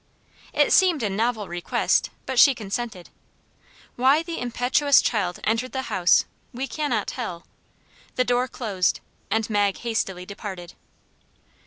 It seemed a novel request, but she consented. Why the impetuous child entered the house, we cannot tell; the door closed, and Mag hastily departed.